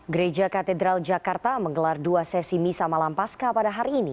gereja katedral jakarta menggelar dua sesi misa malam pasca pada hari ini